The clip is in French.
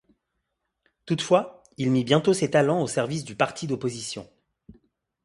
Toutefois, il mit bientôt ses talents au service du parti d’opposition.